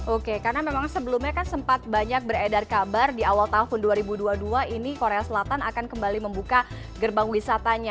oke karena memang sebelumnya kan sempat banyak beredar kabar di awal tahun dua ribu dua puluh dua ini korea selatan akan kembali membuka gerbang wisatanya